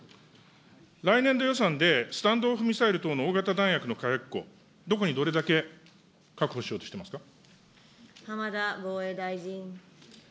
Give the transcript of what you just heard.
来年度予算でスタンド・オフ・ミサイル等の大型弾薬の火薬庫、どこにどれだけ確保しようとしていますか。